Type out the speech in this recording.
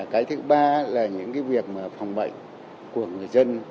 cái thứ ba là những cái việc phòng bệnh của người dân